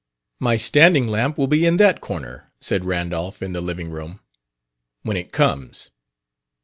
"My standing lamp will be in that corner," said Randolph, in the living room, " when it comes."